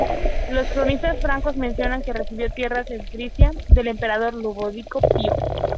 Los cronistas francos mencionan que recibió tierras en Frisia del emperador Ludovico Pío.